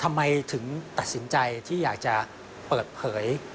ทำไมถึงตัดสินใจที่อยากจะเปิดเผย